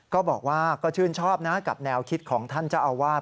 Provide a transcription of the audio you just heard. ก็บอกว่าก็ชื่นชอบนะกับแนวคิดของท่านเจ้าอาวาส